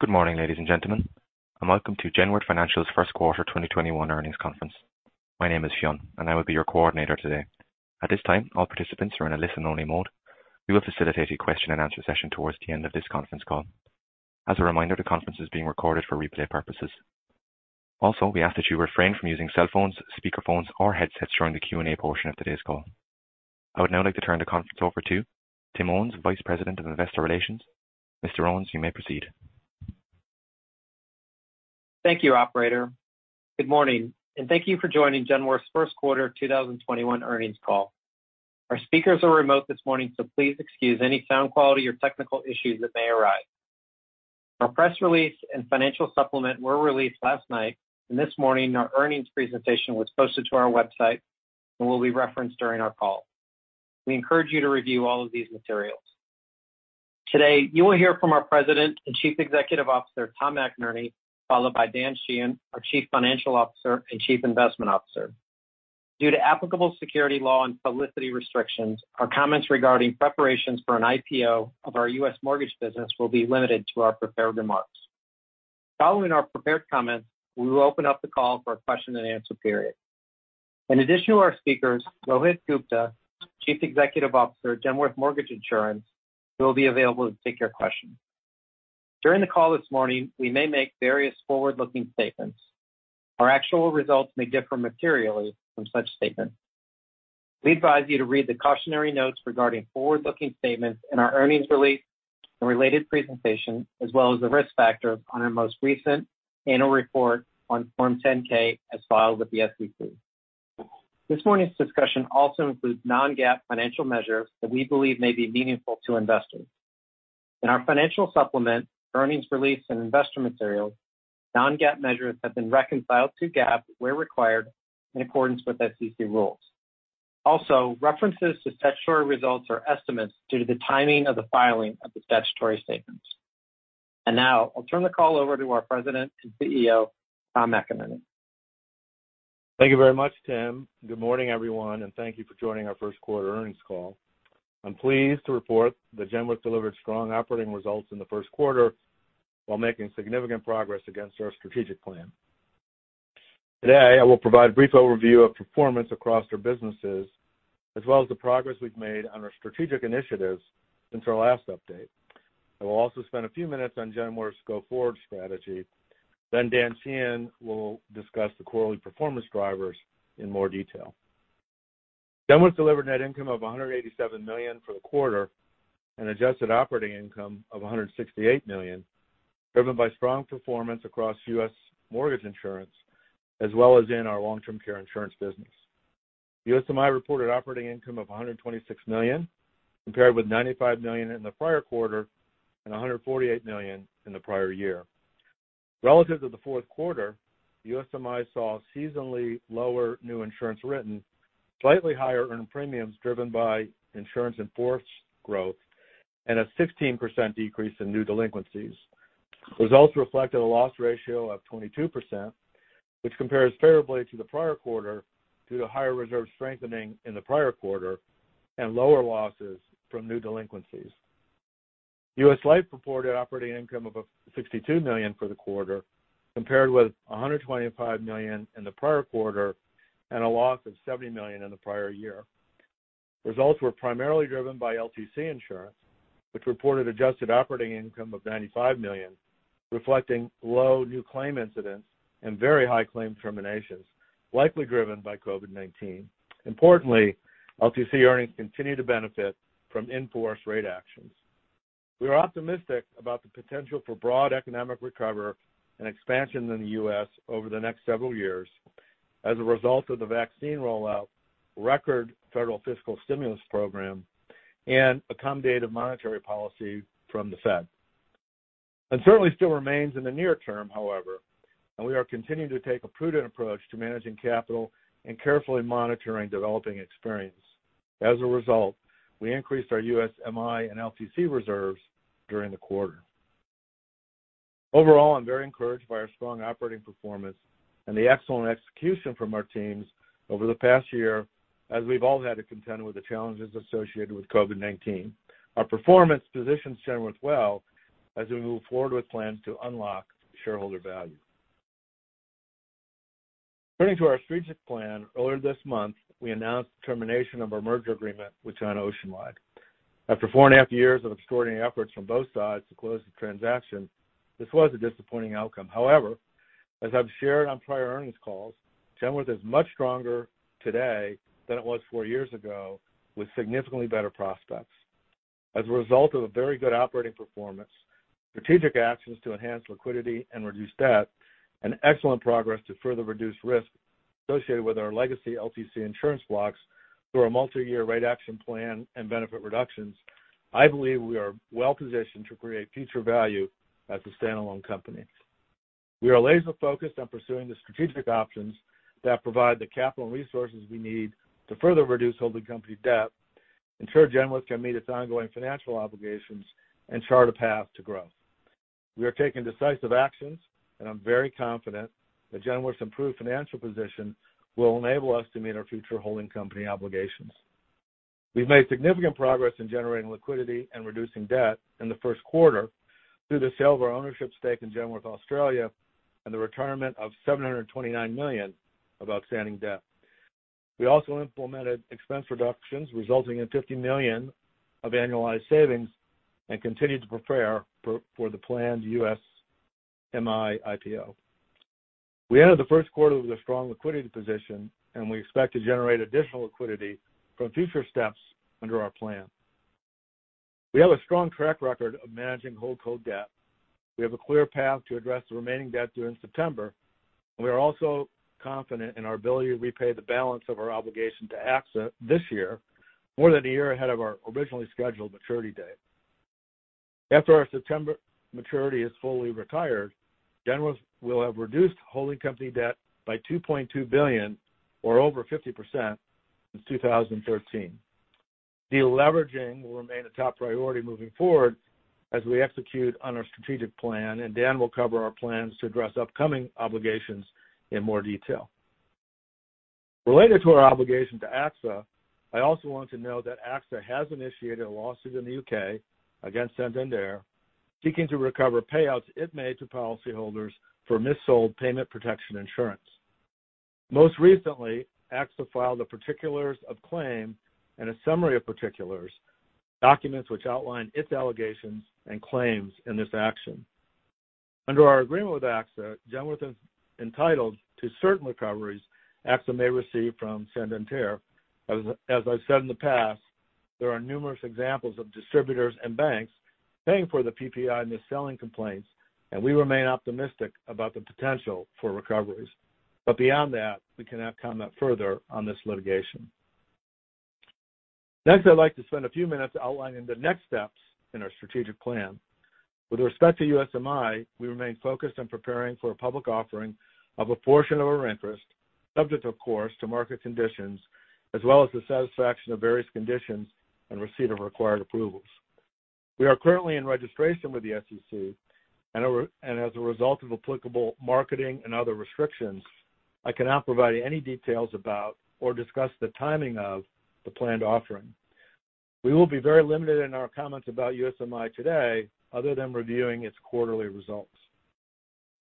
Good morning, ladies and gentlemen, and welcome to Genworth Financial's First Quarter 2021 Earnings Conference. My name is Fionn, and I will be your coordinator today. At this time, all participants are in a listen only mode. We will facilitate a question and answer session towards the end of this conference call. As a reminder, the conference is being recorded for replay purposes. We ask that you refrain from using cell phones, speaker phones, or headsets during the Q&A portion of today's call. I would now like to turn the conference over to Tim Owens, Vice President of Investor Relations. Mr. Owens, you may proceed. Thank you, operator. Good morning, and thank you for joining Genworth's first quarter 2021 earnings call. Our speakers are remote this morning, so please excuse any sound quality or technical issues that may arise. Our press release and financial supplement were released last night, and this morning our earnings presentation was posted to our website and will be referenced during our call. We encourage you to review all of these materials. Today, you will hear from our President and Chief Executive Officer, Tom McInerney, followed by Dan Sheehan, our Chief Financial Officer and Chief Investment Officer. Due to applicable security law and publicity restrictions, our comments regarding preparations for an IPO of our U.S. mortgage business will be limited to our prepared remarks. Following our prepared comments, we will open up the call for a question and answer period. In addition to our speakers, Rohit Gupta, Chief Executive Officer at Genworth Mortgage Insurance, will be available to take your questions. During the call this morning, we may make various forward-looking statements. Our actual results may differ materially from such statements. We advise you to read the cautionary notes regarding forward-looking statements in our earnings release and related presentation, as well as the risk factors on our most recent annual report on Form 10-K, as filed with the SEC. This morning's discussion also includes non-GAAP financial measures that we believe may be meaningful to investors. In our financial supplement, earnings release and investor materials, non-GAAP measures have been reconciled to GAAP where required in accordance with SEC rules. References to statutory results are estimates due to the timing of the filing of the statutory statements. Now I'll turn the call over to our President and CEO, Tom McInerney. Thank you very much, Tim. Good morning, everyone, and thank you for joining our first quarter earnings call. I'm pleased to report that Genworth delivered strong operating results in the first quarter while making significant progress against our strategic plan. Today, I will provide a brief overview of performance across our businesses as well as the progress we've made on our strategic initiatives since our last update. I will also spend a few minutes on Genworth's go-forward strategy. Then Dan Sheehan will discuss the quarterly performance drivers in more detail. Genworth delivered net income of $187 million for the quarter and adjusted operating income of $168 million, driven by strong performance across U.S. Mortgage Insurance as well as in our long-term care insurance business. USMI reported operating income of $126 million, compared with $95 million in the prior quarter and $148 million in the prior year. Relative to the fourth quarter, USMI saw seasonally lower new insurance written, slightly higher earned premiums driven by insurance in-force growth, and a 16% decrease in new delinquencies. Results reflected a loss ratio of 22%, which compares favorably to the prior quarter due to higher reserve strengthening in the prior quarter and lower losses from new delinquencies. U.S. Life reported operating income of $62 million for the quarter, compared with $125 million in the prior quarter and a loss of $70 million in the prior year. Results were primarily driven by LTC Insurance, which reported adjusted operating income of $95 million, reflecting low new claim incidence and very high claim terminations, likely driven by COVID-19. Importantly, LTC earnings continue to benefit from in-force rate actions. We are optimistic about the potential for broad economic recovery and expansion in the U.S. over the next several years as a result of the vaccine rollout, record federal fiscal stimulus program, and accommodative monetary policy from the Fed. Uncertainty still remains in the near term, however, and we are continuing to take a prudent approach to managing capital and carefully monitoring developing experience. As a result, we increased our USMI and LTC reserves during the quarter. Overall, I'm very encouraged by our strong operating performance and the excellent execution from our teams over the past year as we've all had to contend with the challenges associated with COVID-19. Our performance positions Genworth well as we move forward with plans to unlock shareholder value. Turning to our strategic plan, earlier this month, we announced the termination of our merger agreement with Oceanwide. After four and a half years of extraordinary efforts from both sides to close the transaction, this was a disappointing outcome. However, as I've shared on prior earnings calls, Genworth is much stronger today than it was four years ago, with significantly better prospects. As a result of a very good operating performance, strategic actions to enhance liquidity and reduce debt, and excellent progress to further reduce risk associated with our legacy LTC insurance blocks through our multi-year rate action plan and benefit reductions, I believe we are well positioned to create future value as a standalone company. We are laser focused on pursuing the strategic options that provide the capital and resources we need to further reduce holding company debt, ensure Genworth can meet its ongoing financial obligations, and chart a path to growth. We are taking decisive actions, and I'm very confident that Genworth's improved financial position will enable us to meet our future holding company obligations. We've made significant progress in generating liquidity and reducing debt in the first quarter through the sale of our ownership stake in Genworth Australia and the retirement of $729 million of outstanding debt. We also implemented expense reductions, resulting in $50 million of annualized savings, and continued to prepare for the planned USMI IPO. We ended the first quarter with a strong liquidity position, and we expect to generate additional liquidity from future steps under our plan. We have a strong track record of managing holdco debt. We have a clear path to address the remaining debt during September. We are also confident in our ability to repay the balance of our obligation to AXA this year, more than a year ahead of our originally scheduled maturity date. After our September maturity is fully retired, Genworth will have reduced holding company debt by $2.2 billion or over 50% since 2013. De-leveraging will remain a top priority moving forward as we execute on our strategic plan. Dan will cover our plans to address upcoming obligations in more detail. Related to our obligation to AXA, I also want to note that AXA has initiated a lawsuit in the U.K. against Santander, seeking to recover payouts it made to policyholders for mis-sold payment protection insurance. Most recently, AXA filed a particulars of claim and a summary of particulars, documents which outline its allegations and claims in this action. Under our agreement with AXA, Genworth is entitled to certain recoveries AXA may receive from Santander. As I've said in the past, there are numerous examples of distributors and banks paying for the PPI mis-selling complaints, and we remain optimistic about the potential for recoveries. Beyond that, we cannot comment further on this litigation. Next, I'd like to spend a few minutes outlining the next steps in our strategic plan. With respect to USMI, we remain focused on preparing for a public offering of a portion of our interest, subject, of course, to market conditions as well as the satisfaction of various conditions and receipt of required approvals. We are currently in registration with the SEC and as a result of applicable marketing and other restrictions, I cannot provide any details about or discuss the timing of the planned offering. We will be very limited in our comments about USMI today other than reviewing its quarterly results.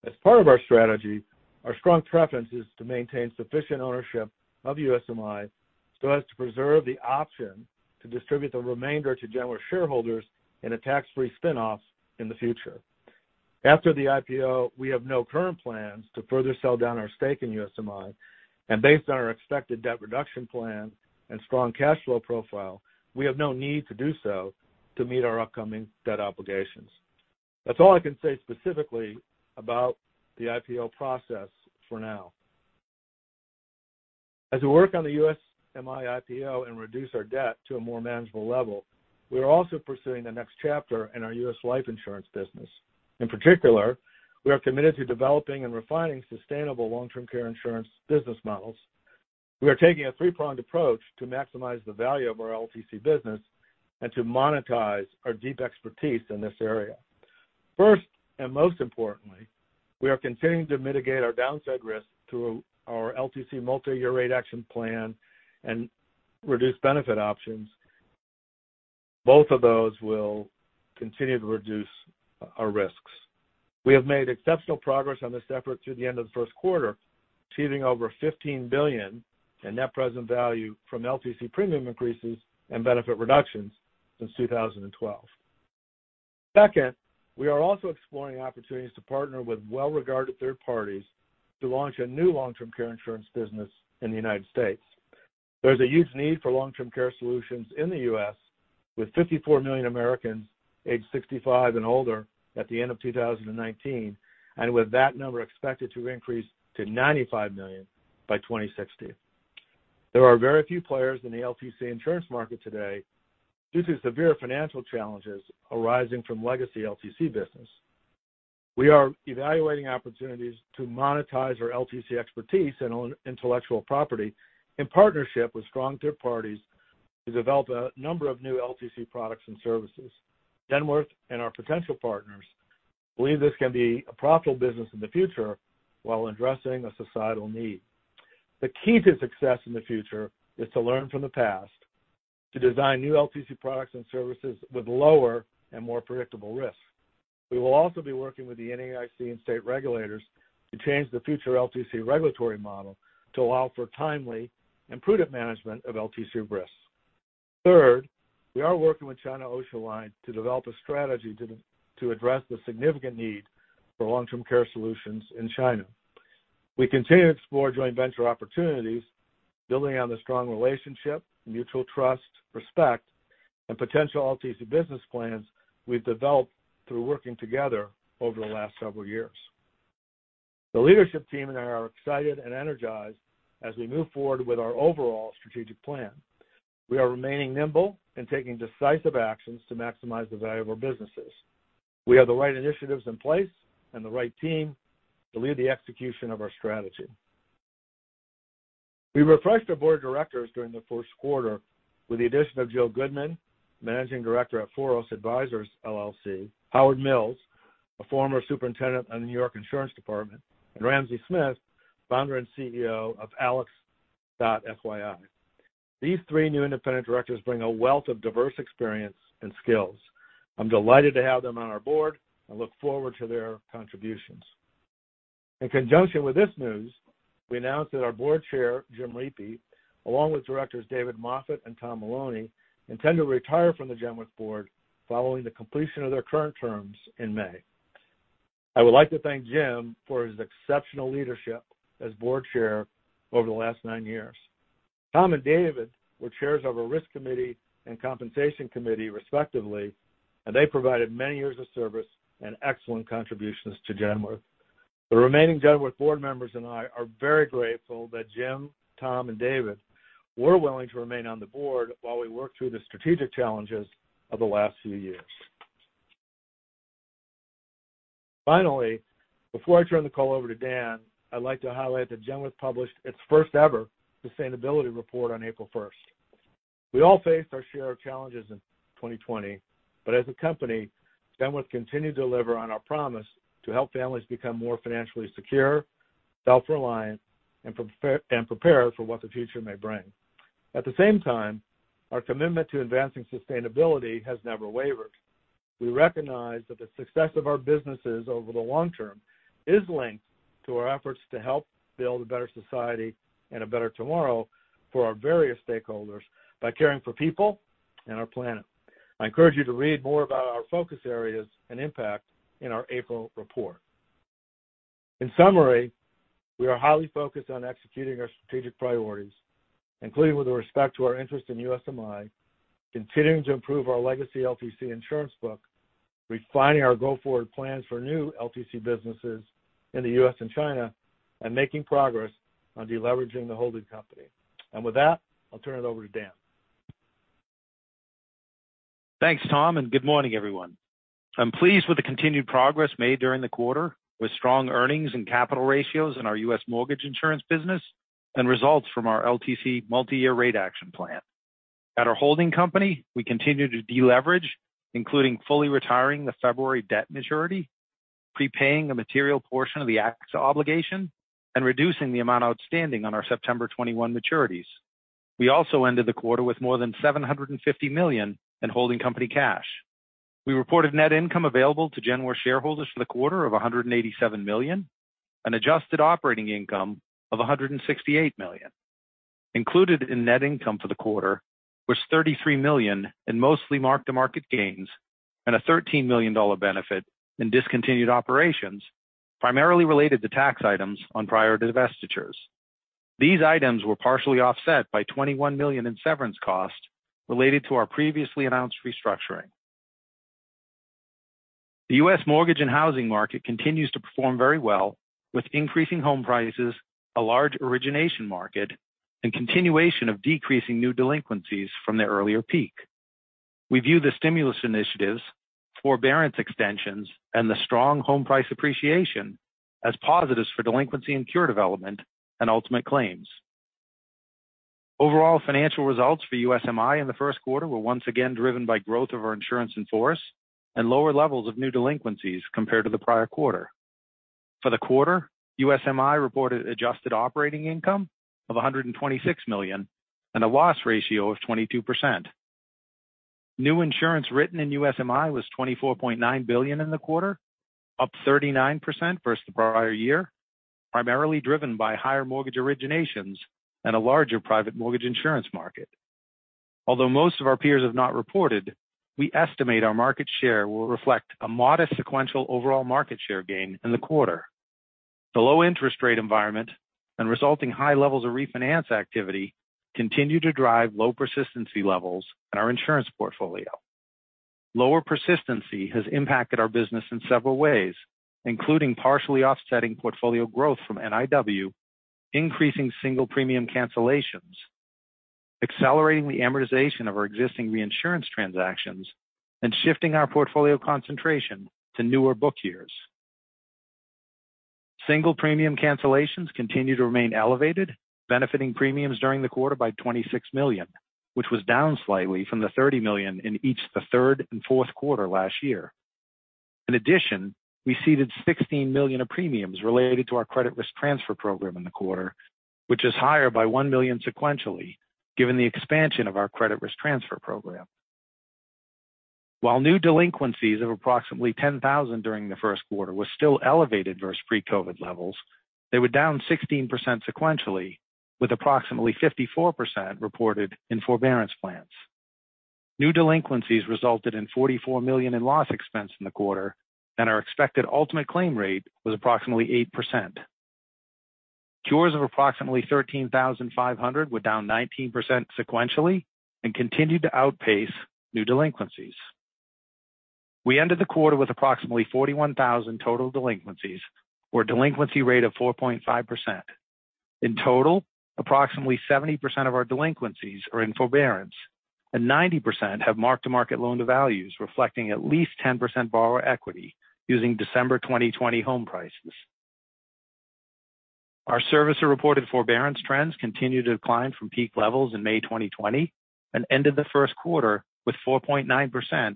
As part of our strategy, our strong preference is to maintain sufficient ownership of USMI so as to preserve the option to distribute the remainder to Genworth shareholders in a tax-free spin-off in the future. After the IPO, we have no current plans to further sell down our stake in USMI, and based on our expected debt reduction plan and strong cash flow profile, we have no need to do so to meet our upcoming debt obligations. That's all I can say specifically about the IPO process for now. As we work on the USMI IPO and reduce our debt to a more manageable level, we are also pursuing the next chapter in our U.S. Life Insurance business. In particular, we are committed to developing and refining sustainable long-term care insurance business models. We are taking a three-pronged approach to maximize the value of our LTC business and to monetize our deep expertise in this area. First, most importantly, we are continuing to mitigate our downside risk through our LTC multi-year rate action plan and reduced benefit options. Both of those will continue to reduce our risks. We have made exceptional progress on this effort through the end of the first quarter, achieving over $15 billion in net present value from LTC premium increases and benefit reductions since 2012. Second, we are also exploring opportunities to partner with well-regarded third parties to launch a new long-term care insurance business in the United States. There's a huge need for long-term care solutions in the U.S., with 54 million Americans aged 65 and older at the end of 2019, with that number expected to increase to 95 million by 2060. There are very few players in the LTC insurance market today due to severe financial challenges arising from legacy LTC business. We are evaluating opportunities to monetize our LTC expertise and intellectual property in partnership with strong third parties to develop a number of new LTC products and services. Genworth and our potential partners believe this can be a profitable business in the future while addressing a societal need. The key to success in the future is to learn from the past, to design new LTC products and services with lower and more predictable risks. We will also be working with the NAIC and state regulators to change the future LTC regulatory model to allow for timely and prudent management of LTC risks. Third, we are working with China Oceanwide to develop a strategy to address the significant need for long-term care solutions in China. We continue to explore joint venture opportunities, building on the strong relationship, mutual trust, respect, and potential LTC business plans we've developed through working together over the last several years. The leadership team and I are excited and energized as we move forward with our overall strategic plan. We are remaining nimble and taking decisive actions to maximize the value of our businesses. We have the right initiatives in place and the right team to lead the execution of our strategy. We refreshed our board of directors during the first quarter with the addition of Jill Goodman, Managing Director at Foros Advisors LLC, Howard Mills, a former Superintendent of the New York Insurance Department, and Ramsey Smith, Founder and CEO of ALEX.fyi. These three new independent directors bring a wealth of diverse experience and skills. I'm delighted to have them on our board and look forward to their contributions. In conjunction with this news, we announced that our Board Chair, Jim Riepe, along with Directors David Moffett and Tom Maloney, intend to retire from the Genworth board following the completion of their current terms in May. I would like to thank Jim for his exceptional leadership as board chair over the last nine years. Tom and David were chairs of our Risk Committee and Compensation Committee respectively, and they provided many years of service and excellent contributions to Genworth. The remaining Genworth board members and I are very grateful that Jim, Tom, and David were willing to remain on the board while we worked through the strategic challenges of the last few years. Finally, before I turn the call over to Dan, I'd like to highlight that Genworth published its first-ever sustainability report on April 1st. We all faced our share of challenges in 2020, but as a company, Genworth continued to deliver on our promise to help families become more financially secure, self-reliant, and prepare for what the future may bring. At the same time, our commitment to advancing sustainability has never wavered. We recognize that the success of our businesses over the long term is linked to our efforts to help build a better society and a better tomorrow for our various stakeholders by caring for people and our planet. I encourage you to read more about our focus areas and impact in our April report. In summary, we are highly focused on executing our strategic priorities, including with respect to our interest in USMI, continuing to improve our legacy LTC insurance book, refining our go-forward plans for new LTC businesses in the U.S. and China, and making progress on de-leveraging the holding company. With that, I'll turn it over to Dan. Thanks, Tom. Good morning, everyone. I'm pleased with the continued progress made during the quarter, with strong earnings and capital ratios in our U.S. Mortgage Insurance business and results from our LTC multi-year rate action plan. At our holding company, we continue to de-leverage, including fully retiring the February debt maturity, prepaying a material portion of the AXA obligation, and reducing the amount outstanding on our September 2021 maturities. We also ended the quarter with more than $750 million in holding company cash. We reported net income available to Genworth shareholders for the quarter of $187 million and adjusted operating income of $168 million. Included in net income for the quarter was $33 million in mostly mark-to-market gains and a $13 million benefit in discontinued operations, primarily related to tax items on prior divestitures. These items were partially offset by $21 million in severance costs related to our previously announced restructuring. The U.S. mortgage and housing market continues to perform very well, with increasing home prices, a large origination market, and continuation of decreasing new delinquencies from their earlier peak. We view the stimulus initiatives, forbearance extensions, and the strong home price appreciation as positives for delinquency and cure development and ultimate claims. Overall financial results for USMI in the first quarter were once again driven by growth of our insurance in force and lower levels of new delinquencies compared to the prior quarter. For the quarter, USMI reported adjusted operating income of $126 million and a loss ratio of 22%. New insurance written in USMI was $24.9 billion in the quarter, up 39% versus the prior year, primarily driven by higher mortgage originations and a larger private mortgage insurance market. Although most of our peers have not reported, we estimate our market share will reflect a modest sequential overall market share gain in the quarter. The low interest rate environment and resulting high levels of refinance activity continue to drive low persistency levels in our insurance portfolio. Lower persistency has impacted our business in several ways, including partially offsetting portfolio growth from NIW, increasing single premium cancellations, accelerating the amortization of our existing reinsurance transactions, and shifting our portfolio concentration to newer book years. Single premium cancellations continue to remain elevated, benefiting premiums during the quarter by $26 million, which was down slightly from the $30 million in each the third and fourth quarter last year. In addition, we ceded $16 million of premiums related to our credit risk transfer program in the quarter, which is higher by $1 million sequentially, given the expansion of our credit risk transfer program. While new delinquencies of approximately 10,000 during the first quarter were still elevated versus pre-COVID levels, they were down 16% sequentially, with approximately 54% reported in forbearance plans. New delinquencies resulted in $44 million in loss expense in the quarter, and our expected ultimate claim rate was approximately 8%. Cures of approximately 13,500 were down 19% sequentially and continued to outpace new delinquencies. We ended the quarter with approximately 41,000 total delinquencies or a delinquency rate of 4.5%. In total, approximately 70% of our delinquencies are in forbearance, and 90% have mark-to-market loan to values reflecting at least 10% borrower equity using December 2020 home prices. Our servicer-reported forbearance trends continue to decline from peak levels in May 2020 and ended the first quarter with 4.9%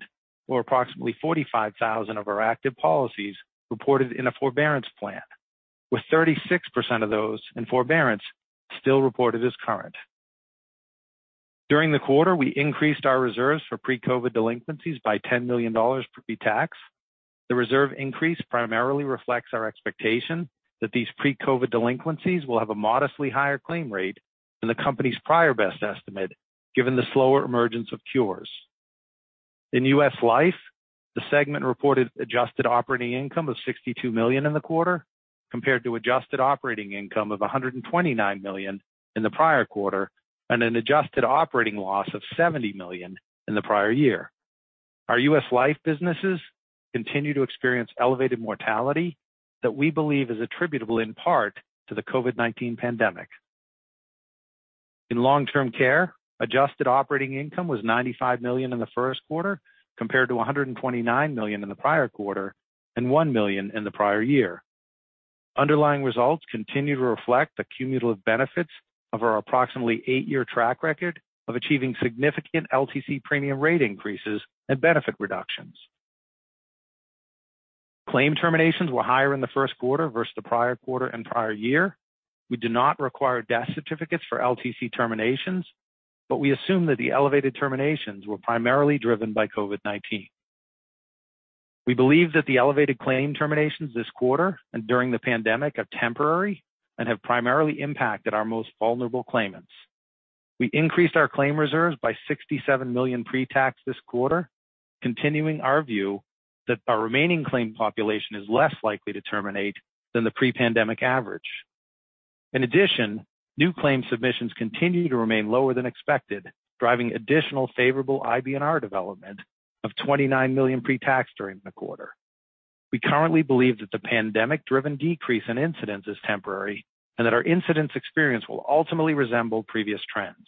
or approximately 45,000 of our active policies reported in a forbearance plan, with 36% of those in forbearance still reported as current. During the quarter, we increased our reserves for pre-COVID delinquencies by $10 million pre-tax. The reserve increase primarily reflects our expectation that these pre-COVID delinquencies will have a modestly higher claim rate than the company's prior best estimate, given the slower emergence of cures. In U.S. Life, the segment reported adjusted operating income of $62 million in the quarter compared to adjusted operating income of $129 million in the prior quarter and an adjusted operating loss of $70 million in the prior year. Our U.S. Life businesses continue to experience elevated mortality that we believe is attributable in part to the COVID-19 pandemic. In long-term care, adjusted operating income was $95 million in the first quarter compared to $129 million in the prior quarter and $1 million in the prior year. Underlying results continue to reflect the cumulative benefits of our approximately eight-year track record of achieving significant LTC premium rate increases and benefit reductions. Claim terminations were higher in the first quarter versus the prior quarter and prior year. We do not require death certificates for LTC terminations, but we assume that the elevated terminations were primarily driven by COVID-19. We believe that the elevated claim terminations this quarter and during the pandemic are temporary and have primarily impacted our most vulnerable claimants. We increased our claim reserves by $67 million pre-tax this quarter, continuing our view that our remaining claim population is less likely to terminate than the pre-pandemic average. In addition, new claim submissions continue to remain lower than expected, driving additional favorable IBNR development of $29 million pre-tax during the quarter. We currently believe that the pandemic-driven decrease in incidents is temporary and that our incidents experience will ultimately resemble previous trends.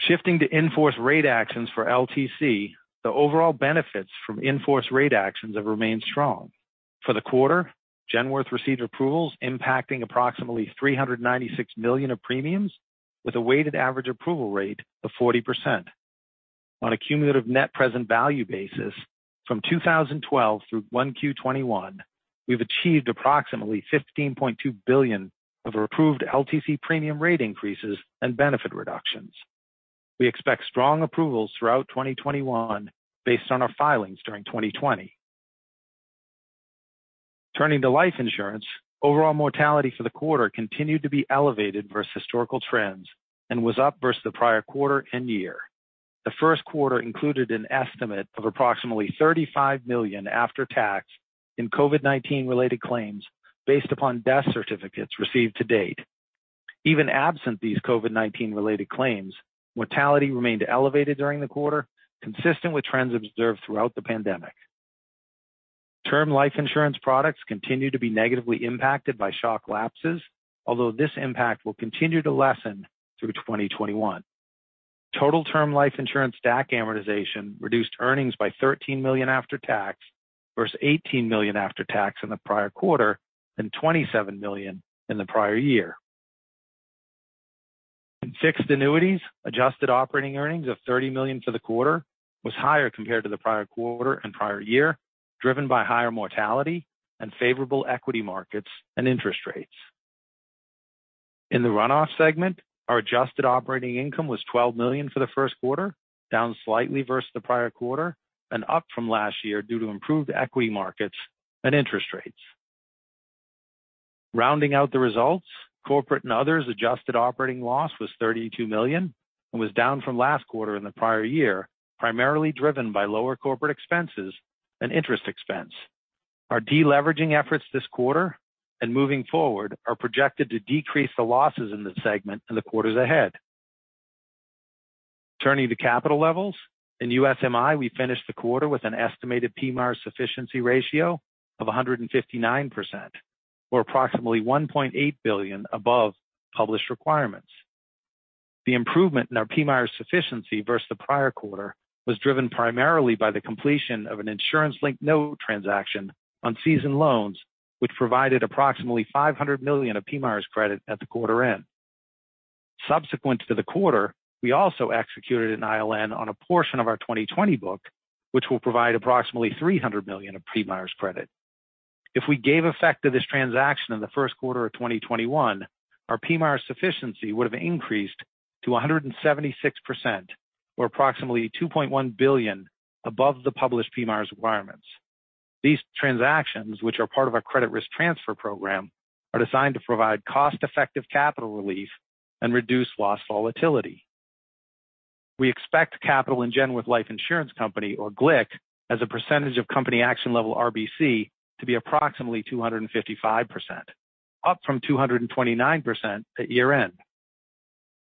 Shifting to in-force rate actions for LTC, the overall benefits from in-force rate actions have remained strong. For the quarter, Genworth received approvals impacting approximately $396 million of premiums with a weighted average approval rate of 40%. On a cumulative net present value basis from 2012 through 1Q 2021, we've achieved approximately $15.2 billion of approved LTC premium rate increases and benefit reductions. We expect strong approvals throughout 2021 based on our filings during 2020. Turning to Life Insurance, overall mortality for the quarter continued to be elevated versus historical trends and was up versus the prior quarter and year. The first quarter included an estimate of approximately $35 million after-tax in COVID-19 related claims, based upon death certificates received to date. Even absent these COVID-19 related claims, mortality remained elevated during the quarter, consistent with trends observed throughout the pandemic. Term life insurance products continue to be negatively impacted by shock lapses, although this impact will continue to lessen through 2021. Total term life insurance DAC amortization reduced earnings by $13 million after-tax versus $18 million after-tax in the prior quarter and $27 million in the prior year. In fixed annuities, adjusted operating earnings of $30 million for the quarter was higher compared to the prior quarter and prior year, driven by higher mortality and favorable equity markets and interest rates. In the Run-off segment, our adjusted operating income was $12 million for the first quarter, down slightly versus the prior quarter and up from last year due to improved equity markets and interest rates. Rounding out the results, Corporate and Other's adjusted operating loss was $32 million and was down from last quarter in the prior year, primarily driven by lower corporate expenses and interest expense. Our deleveraging efforts this quarter and moving forward are projected to decrease the losses in the segment in the quarters ahead. Turning to capital levels, in USMI, we finished the quarter with an estimated PMIER sufficiency ratio of 159%, or approximately $1.8 billion above published requirements. The improvement in our PMIER sufficiency versus the prior quarter was driven primarily by the completion of an insurance-linked note transaction on seasoned loans, which provided approximately $500 million of PMIER's credit at the quarter end. Subsequent to the quarter, we also executed an ILN on a portion of our 2020 book, which will provide approximately $300 million of PMIER's credit. If we gave effect to this transaction in the first quarter of 2021, our PMIER sufficiency would have increased to 176%, or approximately $2.1 billion above the published PMIER's requirements. These transactions, which are part of our credit risk transfer program, are designed to provide cost-effective capital relief and reduce loss volatility. We expect capital in Genworth Life Insurance Company, or GLIC, as a percentage of company action level RBC, to be approximately 255%, up from 229% at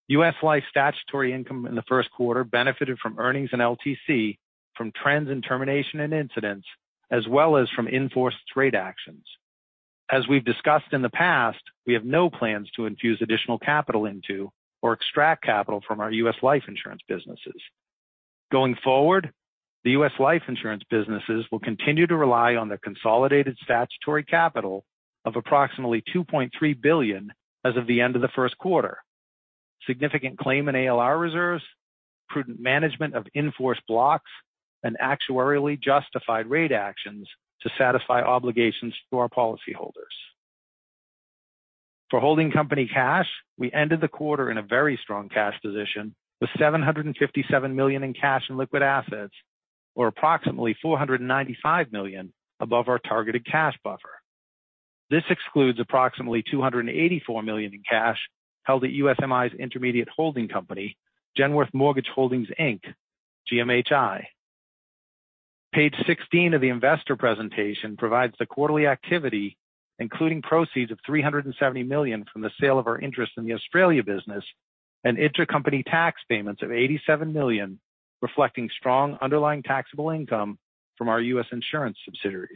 year-end. U.S. Life statutory income in the first quarter benefited from earnings in LTC from trends in termination and incidents, as well as from in-force rate actions. As we've discussed in the past, we have no plans to infuse additional capital into or extract capital from our U.S. life insurance businesses. Going forward, the U.S. life insurance businesses will continue to rely on the consolidated statutory capital of approximately $2.3 billion as of the end of the first quarter. Significant claim and ALR reserves, prudent management of in-force blocks, and actuarially justified rate actions to satisfy obligations to our policyholders. For holding company cash, we ended the quarter in a very strong cash position with $757 million in cash and liquid assets, or approximately $495 million above our targeted cash buffer. This excludes approximately $284 million in cash held at USMI's intermediate holding company, Genworth Mortgage Holdings, Inc., GMHI. Page 16 of the investor presentation provides the quarterly activity, including proceeds of $370 million from the sale of our interest in the Australia business and intercompany tax payments of $87 million, reflecting strong underlying taxable income from our U.S. insurance subsidiaries.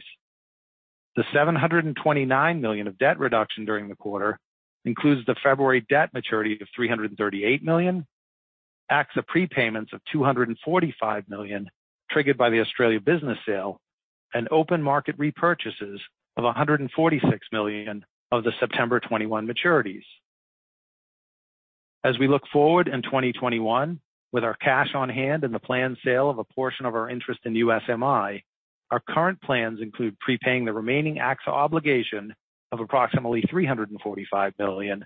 The $729 million of debt reduction during the quarter includes the February debt maturity of $338 million, AXA prepayments of $245 million triggered by the Australia business sale, and open market repurchases of $146 million of the September 2021 maturities. As we look forward in 2021, with our cash on hand and the planned sale of a portion of our interest in USMI, our current plans include prepaying the remaining AXA obligation of approximately $345 million,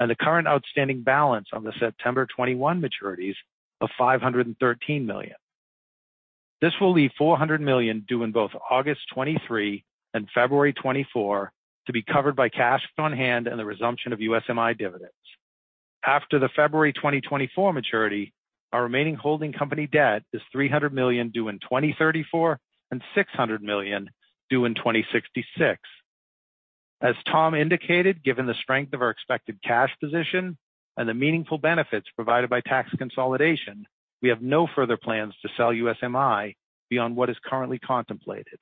and the current outstanding balance on the September 2021 maturities of $513 million. This will leave $400 million due in both August 2023 and February 2024 to be covered by cash on hand and the resumption of USMI dividends. After the February 2024 maturity, our remaining holding company debt is $300 million due in 2034 and $600 million due in 2066. As Tom indicated, given the strength of our expected cash position and the meaningful benefits provided by tax consolidation, we have no further plans to sell USMI beyond what is currently contemplated.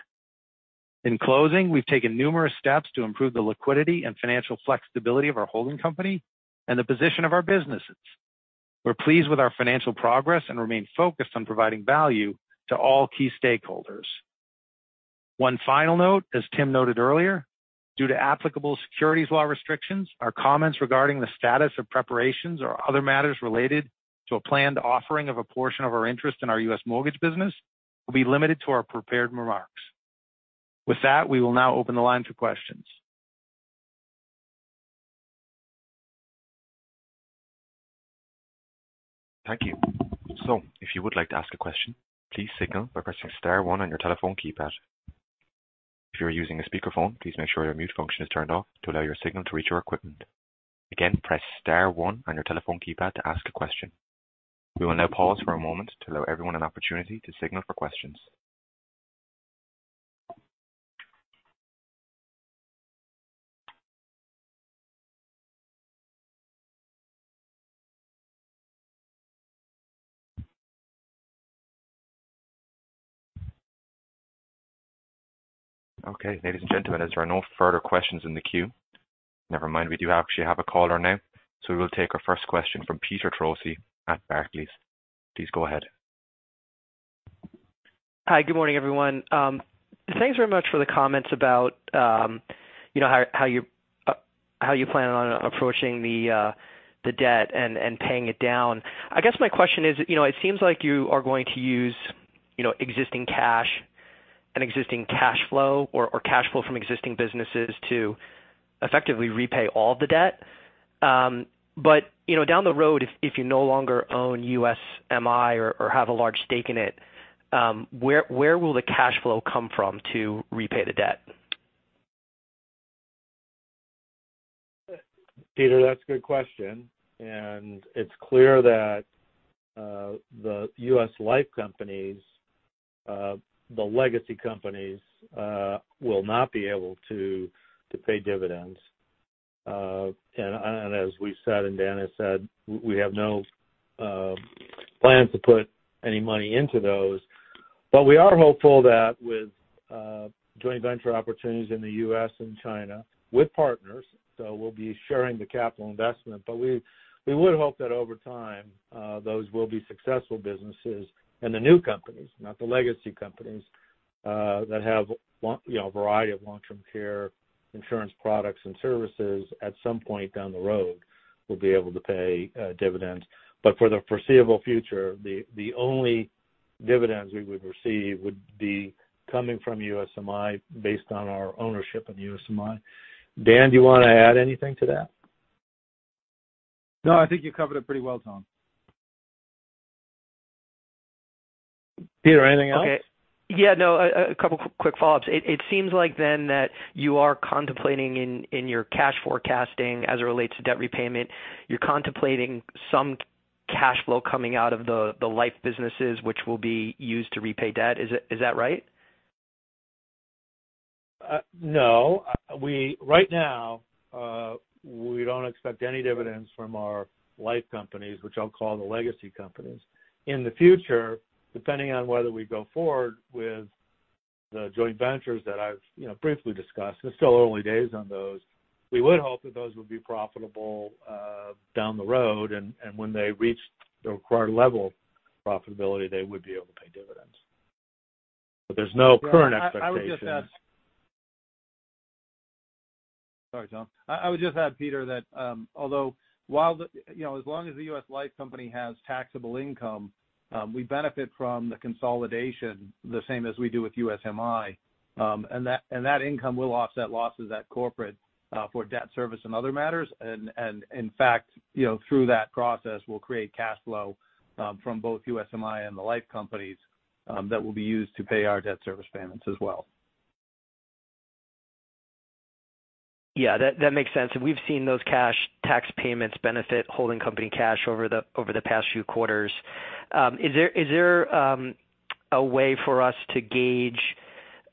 In closing, we've taken numerous steps to improve the liquidity and financial flexibility of our holding company and the position of our businesses. We're pleased with our financial progress and remain focused on providing value to all key stakeholders. One final note, as Tim noted earlier, due to applicable securities law restrictions, our comments regarding the status of preparations or other matters related to a planned offering of a portion of our interest in our U.S. mortgage business will be limited to our prepared remarks. With that, we will now open the line for questions. Thank you. If you would like to ask a question, please signal by pressing star one on your telephone keypad. If you are using a speakerphone, please make sure your mute function is turned off to allow your signal to reach our equipment. Again, press star one on your telephone keypad to ask a question. We will now pause for a moment to allow everyone an opportunity to signal for questions. Okay. Ladies and gentlemen, as there are no further questions in the queue Never mind, we do actually have a caller now. We will take our first question from Peter Troisi at Barclays. Please go ahead. Hi. Good morning, everyone. Thanks very much for the comments about how you plan on approaching the debt and paying it down. I guess my question is, it seems like you are going to use existing cash and existing cash flow or cash flow from existing businesses to effectively repay all the debt. Down the road, if you no longer own USMI or have a large stake in it, where will the cash flow come from to repay the debt? Peter, that's a good question. It's clear that the U.S. Life companies, the legacy companies, will not be able to pay dividends. As we said and Dan has said, we have no plans to put any money into those. We are hopeful that with joint venture opportunities in the U.S. and China with partners, so we'll be sharing the capital investment, but we would hope that over time, those will be successful businesses. The new companies, not the legacy companies, that have a variety of long-term care insurance products and services, at some point down the road, will be able to pay dividends. For the foreseeable future, the only dividends we would receive would be coming from USMI based on our ownership in USMI. Dan, do you want to add anything to that? No, I think you covered it pretty well, Tom. Peter, anything else? Okay. Yeah, no, a couple quick follow-ups. It seems like then that you are contemplating in your cash forecasting as it relates to debt repayment, you're contemplating some cash flow coming out of the Life businesses, which will be used to repay debt. Is that right? No. Right now, we don't expect any dividends from our Life companies, which I'll call the legacy companies. In the future, depending on whether we go forward with the joint ventures that I've briefly discussed, it's still early days on those, we would hope that those would be profitable down the road, and when they reach the required level of profitability, they would be able to pay dividends. There's no current expectation. Sorry, Tom. I would just add, Peter, that although as long as the U.S. Life company has taxable income, we benefit from the consolidation the same as we do with USMI. That income will offset losses at corporate for debt service and other matters. In fact, through that process, we'll create cash flow from both USMI and the Life companies that will be used to pay our debt service payments as well. Yeah, that makes sense. We've seen those cash tax payments benefit holding company cash over the past few quarters. Is there a way for us to gauge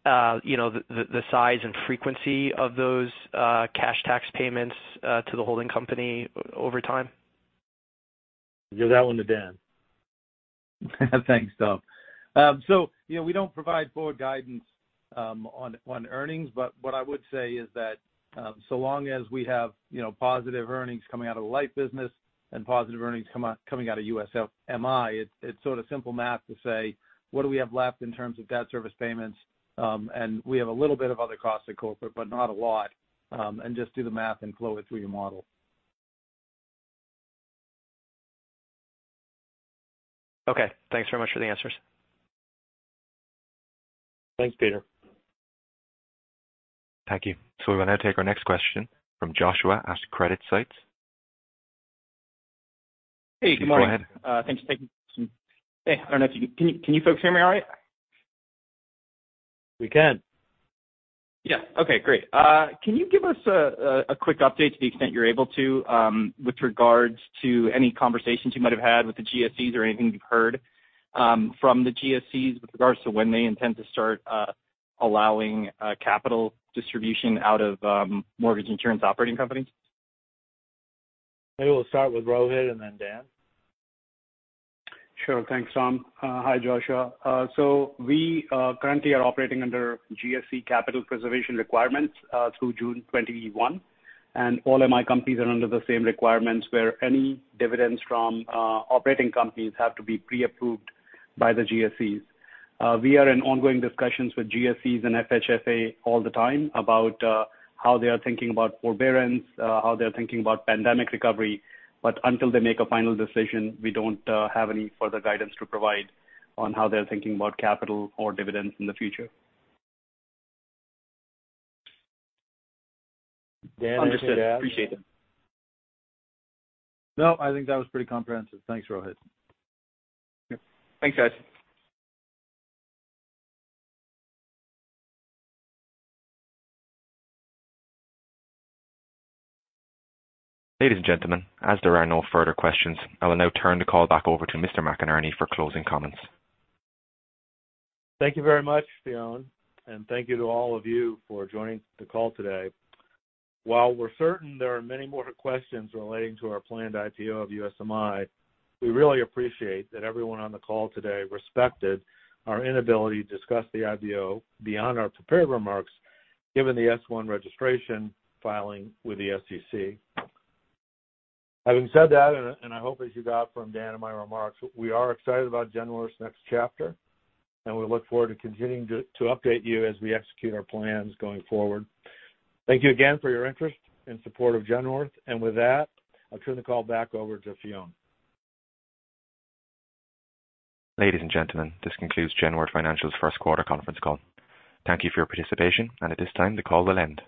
the size and frequency of those cash tax payments to the holding company over time? Give that one to Dan. Thanks, Tom. We don't provide forward guidance on earnings, but what I would say is that so long as we have positive earnings coming out of the Life business and positive earnings coming out of USMI, it's sort of simple math to say, what do we have left in terms of debt service payments? We have a little bit of other costs at corporate, but not a lot. Just do the math and flow it through your model. Okay. Thanks very much for the answers. Thanks, Peter. Thank you. We will now take our next question from Joshua at CreditSights. Hey, good morning. You can go ahead. Thanks for taking this. Hey, I don't know if you can you folks hear me all right? We can. Yeah. Okay, great. Can you give us a quick update to the extent you're able to with regards to any conversations you might have had with the GSEs or anything you've heard from the GSEs with regards to when they intend to start allowing capital distribution out of mortgage insurance operating companies? Maybe we'll start with Rohit and then Dan. Sure. Thanks, Tom. Hi, Joshua. We currently are operating under GSE capital preservation requirements through June 2021, and all MI companies are under the same requirements where any dividends from operating companies have to be pre-approved by the GSEs. We are in ongoing discussions with GSEs and FHFA all the time about how they are thinking about forbearance, how they're thinking about pandemic recovery. Until they make a final decision, we don't have any further guidance to provide on how they're thinking about capital or dividends in the future. Dan, anything to add? Understood. Appreciate it. No, I think that was pretty comprehensive. Thanks, Rohit. Yep. Thanks, guys. Ladies and gentlemen, as there are no further questions, I will now turn the call back over to Mr. McInerney for closing comments. Thank you very much, Fionn, thank you to all of you for joining the call today. While we're certain there are many more questions relating to our planned IPO of USMI, we really appreciate that everyone on the call today respected our inability to discuss the IPO beyond our prepared remarks given the S-1 registration filing with the SEC. Having said that, and I hope as you got from Dan and my remarks, we are excited about Genworth's next chapter, and we look forward to continuing to update you as we execute our plans going forward. Thank you again for your interest and support of Genworth. With that, I'll turn the call back over to Fionn. Ladies and gentlemen, this concludes Genworth Financial's first quarter conference call. Thank you for your participation, and at this time, the call will end.